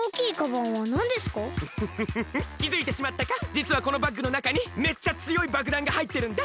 じつはこのバッグのなかにめっちゃつよいばくだんがはいってるんだ。